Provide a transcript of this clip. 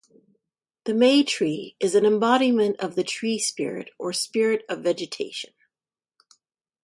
The May-tree is an embodiment of the tree-spirit or spirit of vegetation.